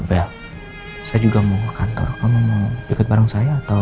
saya juga mau ke kantor kamu mau ikut bareng saya atau